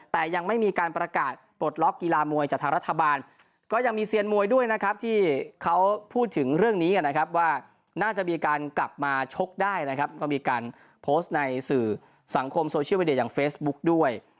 แต่ยังไม่มีการประกาศปลดล็อกกีฬามวยจากทางรัฐบาลก็ยังมีเซียนมวยด้วยนะครับที่เขาพูดถึงเรื่องนี้นะครับว่าน่าจะมีการกลับมาชกได้นะครับก็มีการโพสต์ในสื่อสังคมโซเชียลมีเดียอย่างเฟซบุ๊กด้วย